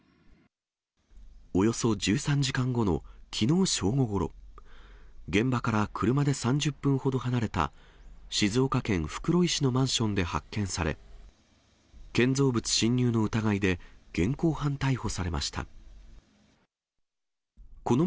およそ１３時間後のきのう正午ごろ、現場から車で３０分ほど離れた静岡県袋井市のマンションで発見され、建造物侵入の疑いで現行犯逮捕されました。